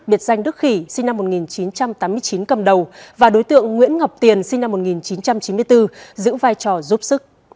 biệt danh đức khỉ sinh năm một nghìn chín trăm tám mươi chín cầm đầu và đối tượng nguyễn ngọc tiền sinh năm một nghìn chín trăm chín mươi bốn giữ vai trò giúp sức